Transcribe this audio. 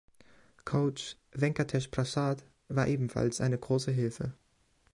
Coach Venkatesh Prasad war ebenfalls eine große Hilfe.